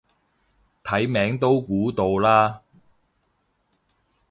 睇名都估到啦